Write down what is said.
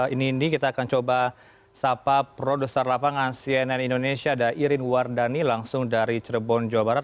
ini ini kita akan coba sapa produser lapangan cnn indonesia ada irin wardani langsung dari cirebon jawa barat